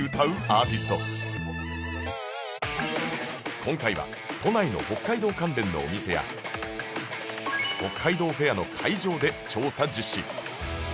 今回は都内の北海道関連のお店や北海道フェアの会場で調査実施